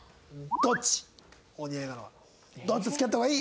どっちと付き合った方がいい？